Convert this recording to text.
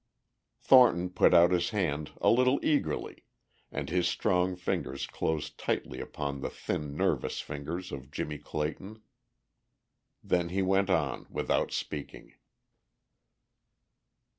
Thornton put out his hand a little eagerly and his strong fingers closed tightly upon the thin nervous fingers of Jimmie Clayton. Then he went out without speaking.